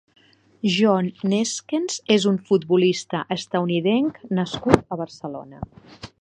John Neeskens és un futbolista estatunidenc nascut a Barcelona.